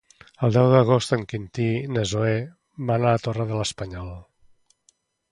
El deu d'agost en Quintí i na Zoè van a la Torre de l'Espanyol.